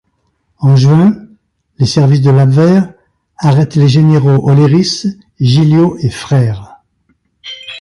En juin, les services de l’Abwehr arrêtent les généraux Olleris, Gilliot et Frère.